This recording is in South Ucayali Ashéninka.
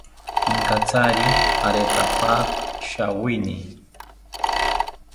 Pinkatsari aretapaka shawini